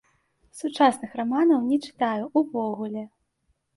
Сучасных раманаў не чытаю ўвогуле.